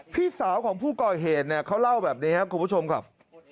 พี่สาวของผู้ก่อเหตุเนี่ยเขาเล่าแบบนี้ครับคุณผู้ชมครับ